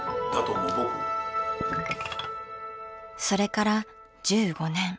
それから１５年。